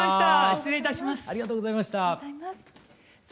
失礼いたします。